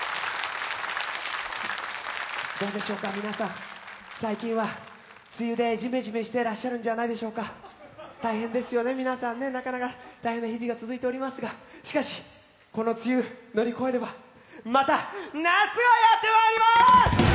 どうでしょうか、皆さん最近は梅雨でジメジメしてらっしゃるんじゃないでしょうか。大変ですよね、皆さん、なかなか大変な日々が続いておりますがしかし、この梅雨を乗り越えれば、また夏がやってまいります！